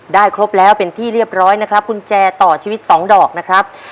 ครบแล้วเป็นที่เรียบร้อยนะครับกุญแจต่อชีวิตสองดอกนะครับ